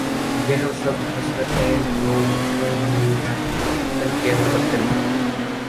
گنو سب حسرتیں جو خوں ہوئی ہیں تن کے مقتل میں